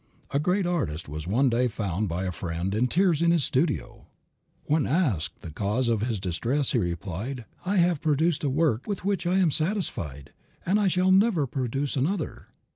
A great artist was one day found by a friend in tears in his studio. When asked the cause of his distress, he replied, "I have produced a work with which I am satisfied, and I shall never produce another."